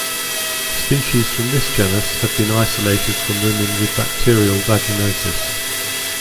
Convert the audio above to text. Species from this genus have been isolated from women with bacterial vaginosis.